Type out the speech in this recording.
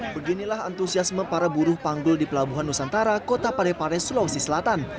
beginilah antusiasme para buruh panggul di pelabuhan nusantara kota parepare sulawesi selatan